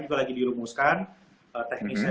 juga lagi dirumuskan teknisnya